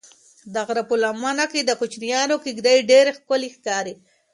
د غره په لمنه کې د کوچیانو کيږدۍ ډېرې ښکلي ښکاري.